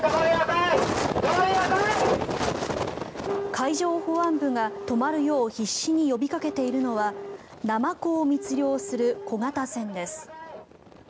海上保安部が止まるよう必死に呼びかけているのはナマコを密漁する小型船です。